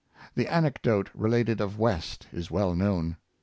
The anecdote related of West is well known.